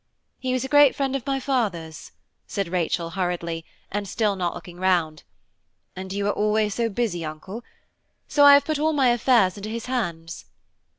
"He was a great friend of my father's," said Rachel hurriedly, and still not looking round, "and you are always so busy, Uncle; so I have put all my affairs into his hands."